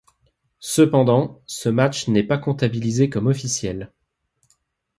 Cependant, ce match n'est pas comptabilisé comme officiel.